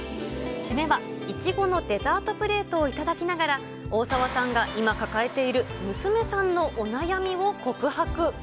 しめはイチゴのデザートプレートを頂きながら、大沢さんが今抱えている娘さんのお悩みを告白。